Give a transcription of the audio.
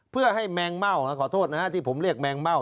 เพื่อให้แมงเม่าขอโทษนะฮะที่ผมเรียกแมงเม่า